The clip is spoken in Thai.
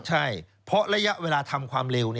ใช่เพราะระยะเวลาทำความเร็ว